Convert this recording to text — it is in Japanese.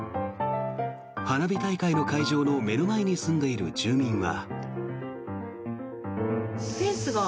花火大会の会場の目の前に住んでいる住民は。